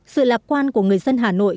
sự lạc quan của người dân hà nội